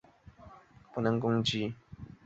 但中国境内机场依然不能攻击。